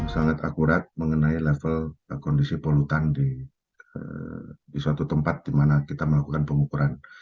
sangat akurat mengenai level kondisi pollutant di suatu tempat dimana kita melakukan pengukuran